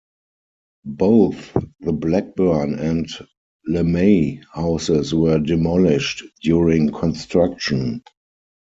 Both the Blackburn and Lemay houses were demolished during construction.